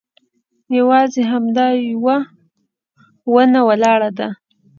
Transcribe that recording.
یوازې همدا یوه ونه ولاړه ده.